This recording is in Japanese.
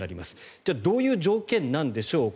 じゃあどういう条件なんでしょうか。